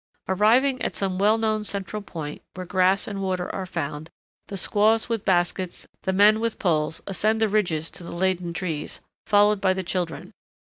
Arriving at some well known central point where grass and water are found, the squaws with baskets, the men with poles ascend the ridges to the laden trees, followed by the children.